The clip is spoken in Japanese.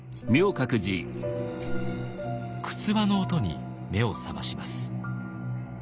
くつわの音に目を覚まします。